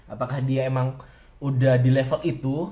apakah dia emang udah di level itu